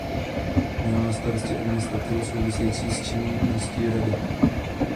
Měl na starosti administrativu související s činností Rady.